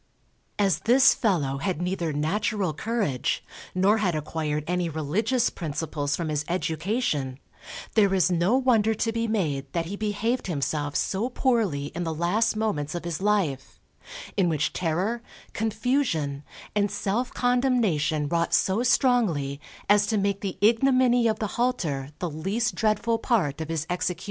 As this fellow had neither natural courage, nor had acquired any religious principles from his education, there is no wonder to be made that he behaved himself so poorly in the last moments of his life; in which terror, confusion, and self condemnation wrought so strongly as to make the ignominy of the halter the least dreadful part of his execution.